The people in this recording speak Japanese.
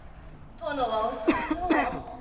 殿は遅いのう。